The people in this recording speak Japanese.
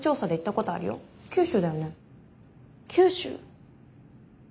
九州？